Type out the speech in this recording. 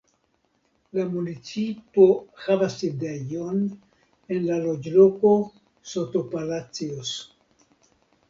La municipo havas sidejon en la loĝloko Sotopalacios.